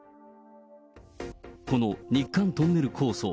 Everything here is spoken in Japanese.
この日韓トンネル構想。